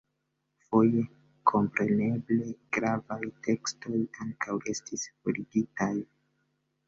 Foje, kompreneble, gravaj tekstoj ankaŭ estis forigitaj.